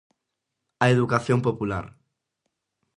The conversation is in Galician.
A educación popular.